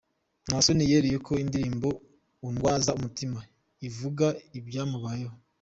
Nasoni yeruye ko indirimbo “Undwaza Umutima” ivuga ibyamubayeho